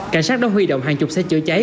cảnh sát đã huy động hàng chục xe chữa cháy